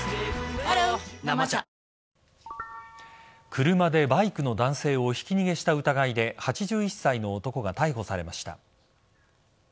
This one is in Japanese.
車で、バイクの男性をひき逃げした疑いで８１歳の男が逮捕されました。